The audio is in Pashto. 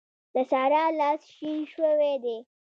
د سارا لاس شين شوی دی.